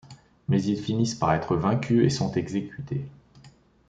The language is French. Mais ils finissent par être vaincus et sont exécutés.